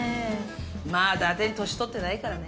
まあだてに年取ってないからね。